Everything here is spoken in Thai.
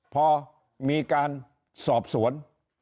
พอมีการสอบสวน